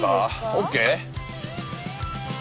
ＯＫ？